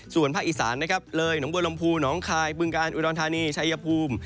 สู่วันภาคอีสานเลยหนุ่มบรมภูหนองคายบึงกาอันอุดรทานีชายภูมิ